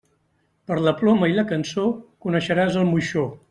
Per la ploma i la cançó coneixeràs el moixó.